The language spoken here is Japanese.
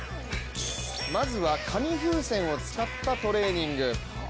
まずは紙風船を使ったトレーニング。